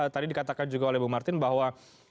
tadi dikatakan juga oleh bu martin bahwa